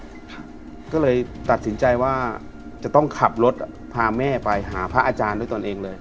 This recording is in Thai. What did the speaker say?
ก็เลยตัดสินใจว่าจะต้องขับรถพาแม่ไปหาพระอาจารย์ด้วยตนเองเลย